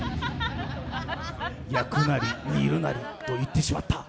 焼くなり煮るなりと言ってしまった。